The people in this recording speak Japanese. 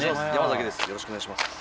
よろしくお願いします。